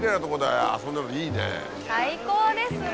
最高ですね。